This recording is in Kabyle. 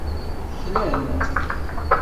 Klan-t.